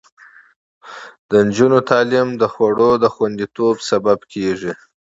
د نجونو تعلیم د خوړو د خوندیتوب لامل کیږي.